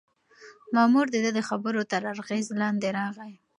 مامور د ده د خبرو تر اغېز لاندې راغی.